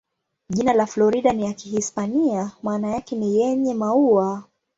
Jina la Florida ni ya Kihispania, maana yake ni "yenye maua".